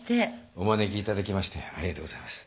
お招きいただきましてありがとうございます。